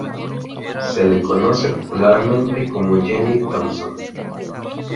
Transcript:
Se la conoce popularmente como Jenny Thompson.